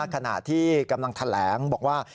ขณะที่กำลังแถลงบอกว่า